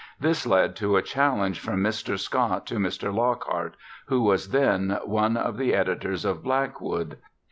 This led to a challenge from Mr. Scott to Mr. Lockhart, who was then one of the editors of "Blackwood."